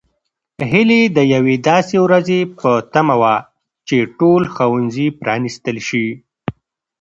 هیلې د یوې داسې ورځې په تمه وه چې ټول ښوونځي پرانیستل شي.